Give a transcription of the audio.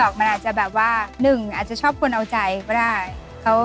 ผมถามว่าทางบ้านไม่ยอดรับ